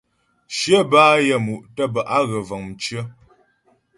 Shyə bɛ́ á yaə́mu' tə́ bə́ á ghə vəŋ mcyə̀.